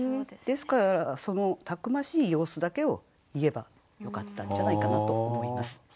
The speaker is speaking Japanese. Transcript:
ですからそのたくましい様子だけを言えばよかったんじゃないかなと思います。